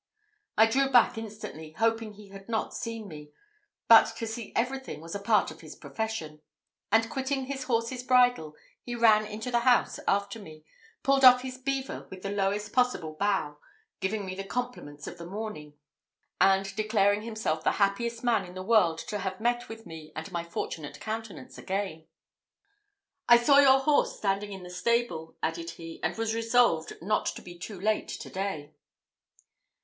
I drew back instantly, hoping he had not seen me, but to see everything was a part of his profession; and quitting his horse's bridle, he ran into the house after me, pulled off his beaver with the lowest possible bow, giving me the compliments of the morning, and declaring himself the happiest man in the world to have met with me and my fortunate countenance again. "I saw your horse standing in the stable," added he, "and was resolved not to be too late to day."